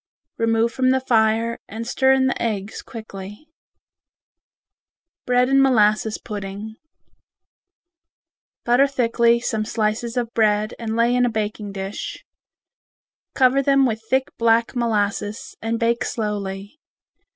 Remove from the fire and stir in the eggs quickly. Bread and Molasses Pudding Butter thickly some slices of bread and lay in a baking dish. Cover them with thick black molasses and bake slowly.